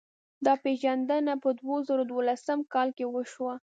دا پېژندنه په دوه زره دولسم کال کې وشوه.